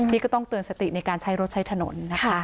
ก็ต้องเตือนสติในการใช้รถใช้ถนนนะคะ